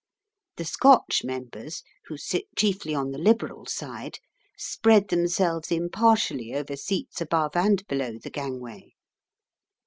The Scotch members, who sit chiefly on the Liberal side, spread themselves impartially over seats above and below the gangway.